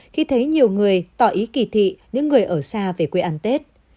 khi thấy nhiều người tỏ ý kỳ thị những người ở xa về quê ăn tết